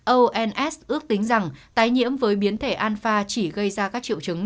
ons ước tính rằng tái nhiễm với biến thể anfa chỉ gây ra các triệu chứng